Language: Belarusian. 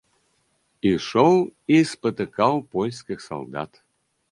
Ішоў і спатыкаў польскіх салдат.